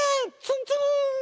ツンツーン！